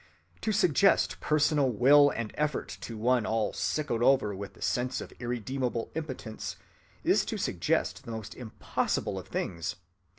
To suggest personal will and effort to one all sicklied o'er with the sense of irremediable impotence is to suggest the most impossible of things.